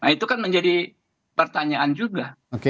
itu kan menjadi pertanyaan juga